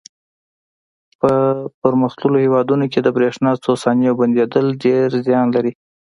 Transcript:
په پرمختللو هېوادونو کې د برېښنا څو ثانیو بندېدل ډېر زیان لري.